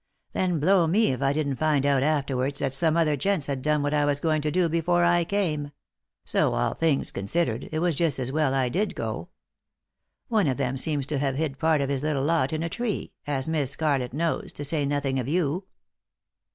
Then, blow me if I didn't find out afterwards that some other gents had done what I was going to do before I came ; so, all things considered, it was just as well I did go. One of them seems to have hid part of bis little lot in a tree, as Miss Scarlett knows, to say nothing of you."